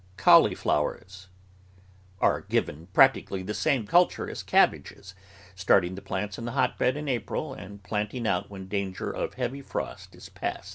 CAULIFLOWERS Are given practically the same culture as cab bages, starting the plants in the hotbed in April and planting out when danger of heavy frost is past.